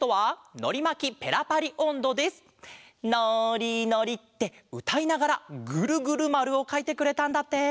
「のーりのり」ってうたいながらグルグルまるをかいてくれたんだって。